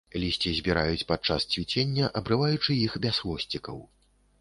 Лісце збіраюць падчас цвіцення, абрываючы іх без хвосцікаў.